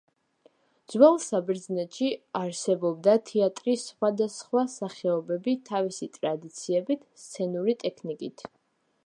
ძველ საბერძნეთში არსებობდა თეატრის სხვადასხვა სახეობები თავისი ტრადიციებით, სცენური ტექნიკით.